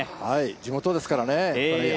地元ですからね。